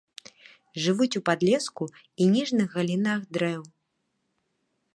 Жывуць у падлеску і ніжніх галінах дрэў.